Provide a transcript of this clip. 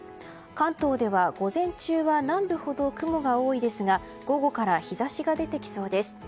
関東では午前中は南部ほど雲が多いですが午後から日差しが出てきそうです。